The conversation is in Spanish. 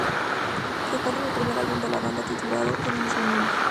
Se encuentra en el primer álbum de la banda, titulado con el mismo nombre.